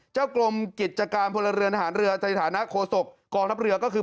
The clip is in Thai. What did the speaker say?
เจ้ากลมกิจกรรมพลเรือนอาหารเรือสถานะโคสกกองทัพเรือก็คือ